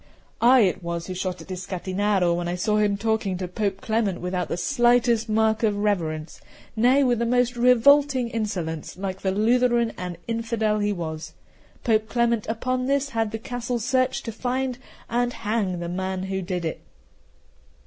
I it was who shot at Iscatinaro when I saw him talking to Pope Clement without the slightest mark of reverence, nay, with the most revolting insolence, like the Lutheran and infidel he was. Pope Clement upon this had the castle searched to find and hang the man who did it.